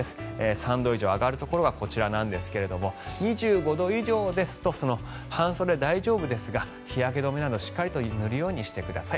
３度以上上がるところはこちらですが２５度以上ですと半袖、大丈夫ですが日焼け止めなど、しっかり塗るようにしてください。